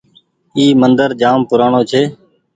اي مندر جآم پورآڻي ڇي۔